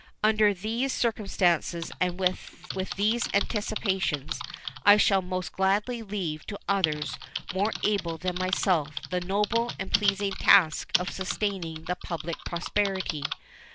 Under these circumstances and with these anticipations I shall most gladly leave to others more able than myself the noble and pleasing task of sustaining the public prosperity.